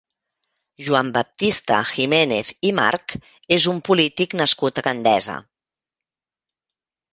Joan Baptista Giménez i March és un polític nascut a Gandesa.